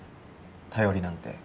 便りなんて